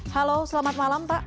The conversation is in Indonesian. halo selamat malam pak